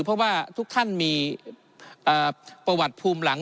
เพราะว่าทุกท่านมีประวัติภูมิหลัง